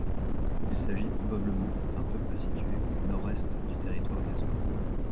Il s'agit probablement d'un peuple situé au nord-est du territoire des Zhou.